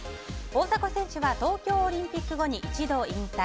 大迫選手は東京オリンピック後に一度、引退。